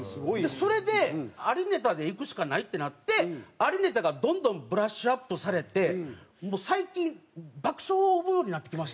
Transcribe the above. それでありネタでいくしかないってなってありネタがどんどんブラッシュアップされてもう最近爆笑ものになってきまして。